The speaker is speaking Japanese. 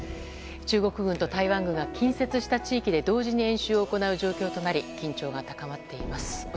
中国軍と台湾軍が近接した地域で同時に演習を行う状況となり緊張が高まっています。